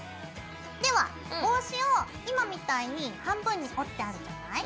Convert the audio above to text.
では帽子を今みたいに半分に折ってあるじゃない？